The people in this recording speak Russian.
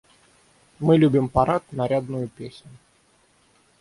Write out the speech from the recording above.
Мы любим парад, нарядную песню.